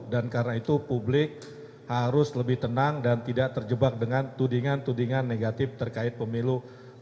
karena itu publik harus lebih tenang dan tidak terjebak dengan tudingan tudingan negatif terkait pemilu dua ribu dua puluh